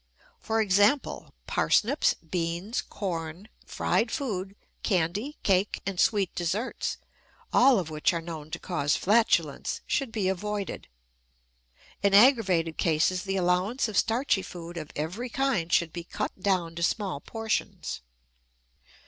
For example, parsnips, beans, corn, fried food, candy, cake, and sweet desserts, all of which are known to cause flatulence, should be avoided; in aggravated cases the allowance of starchy food of every kind should be cut down to small portions.